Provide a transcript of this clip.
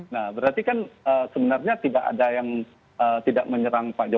nah berarti kan sebenarnya tidak ada yang tidak menyerang pak jokowi